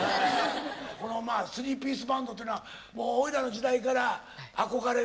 このスリーピースバンドというのはもう俺らの時代から憧れで。